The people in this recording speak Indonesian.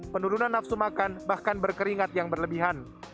penurunan nafsu makan bahkan berkeringat yang berlebihan